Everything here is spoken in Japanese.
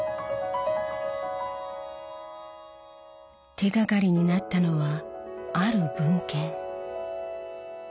手がかりになったのはある文献。